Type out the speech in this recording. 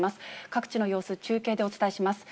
各地の様子、中継でお伝えします。